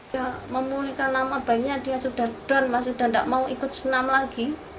dia memulihkan nama banknya dia sudah done sudah tidak mau ikut senam lagi